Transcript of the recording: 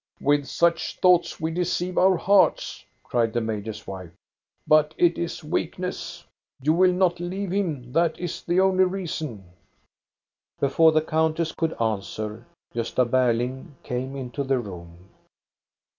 With such thoughts we deceive our hearts," cried the major's wife ;but it is weakness. You will not leave him, that is the only reason." Before the countess could answer, Gosta Berling came into the room.